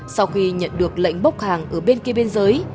sau khi nhận được lệnh bốc hàng ở bên kia bên dưới